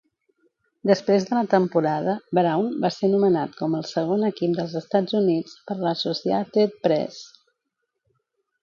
Després de la temporada, Brown va ser nomenat com el Segon Equip dels Estats Units per l'Associated Press.